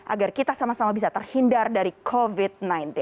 agar kita sama sama bisa terhindar dari covid sembilan belas